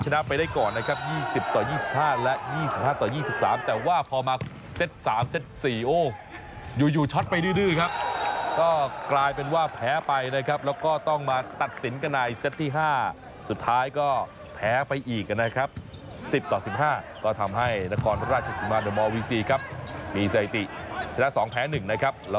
ชนะไปได้ก่อนนะครับยี่สิบต่อยี่สิบห้าและยี่สิบห้าต่อยี่สิบสามแต่ว่าพอมาเซ็ตสามเซ็ตสี่โอ้ยูยูช็อตไปดื้อดื้อครับก็กลายเป็นว่าแพ้ไปนะครับแล้วก็ต้องมาตัดสินกระนายเซ็ตที่ห้าสุดท้ายก็แพ้ไปอีกอ่ะนะครับสิบต่อสิบห้าก็ทำให้นครราชสิงหาธรรมวิสีครับมีสายติชนะสองแพ้หนึ่งนะครับแล